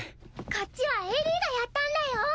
こっちはエリィがやったんだよ。